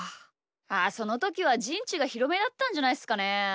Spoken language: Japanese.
ああそのときはじんちがひろめだったんじゃないっすかね。